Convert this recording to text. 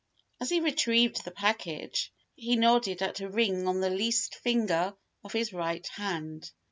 As he retrieved the package, he nodded at a ring on the least finger of his right hand.